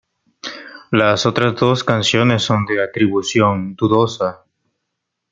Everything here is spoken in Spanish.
Las otras dos canciones son de atribución dudosa.